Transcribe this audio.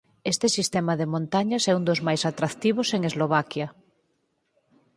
Este sistema de montañas é un dos máis atractivos en Eslovaquia.